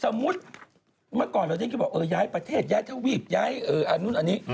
สมมุติเมื่อก่อนเราได้ก็บอกย้ายประเทศย้ายทวีปย้ายอันนู้นอันนี้